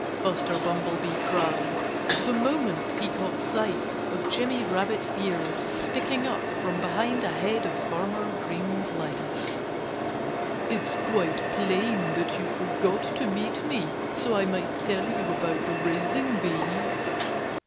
Buster Bumblebee cried, the moment he caught sight of Jimmy Rabbit's ears sticking up from behind a head of Farmer Green's lettuce. "It's quite plain that you forgot to meet me, so I might tell you about the raising bee."